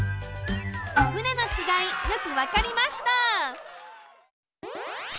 「ふね」のちがいよくわかりました！